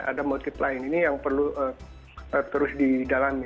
ada motif lain ini yang perlu terus didalami